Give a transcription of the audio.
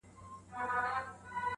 په سپين لاس کي يې دی سپين سگريټ نيولی.